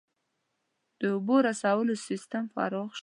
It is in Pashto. • د اوبو رسولو سیستم پراخ شو.